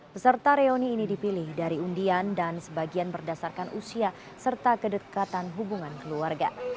peserta reuni ini dipilih dari undian dan sebagian berdasarkan usia serta kedekatan hubungan keluarga